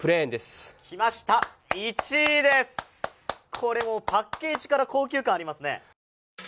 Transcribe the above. これもうパッケージから高級感ありますね。